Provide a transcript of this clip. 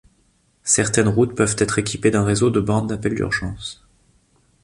Certaines routes peuvent être équipées d’un réseau de bornes d’appel d’urgence.